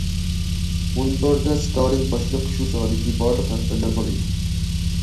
مۇنبەردە ستالىن باشلىق شۇ چاغدىكى بارلىق رەھبەرلەر بار ئىدى.